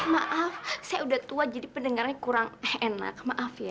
maaf saya udah tua jadi pendengarnya kurang eh enak maaf ya